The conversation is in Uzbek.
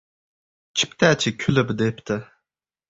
Chiptachi kulib debdi.